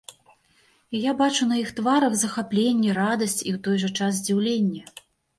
І я бачу на іх тварах захапленне, радасць і ў той жа час здзіўленне.